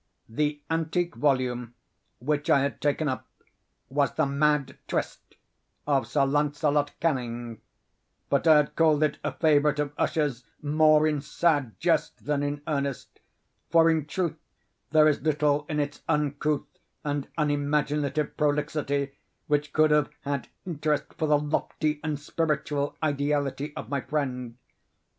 The antique volume which I had taken up was the "Mad Trist" of Sir Launcelot Canning; but I had called it a favorite of Usher's more in sad jest than in earnest; for, in truth, there is little in its uncouth and unimaginative prolixity which could have had interest for the lofty and spiritual ideality of my friend.